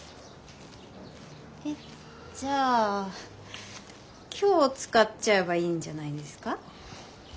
えっじゃあ今日使っちゃえばいいんじゃないですか？